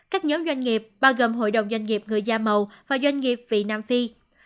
các nhóm doanh nghiệp bao gồm hội đồng doanh nghiệp người da màu và doanh nghiệp vị nam phi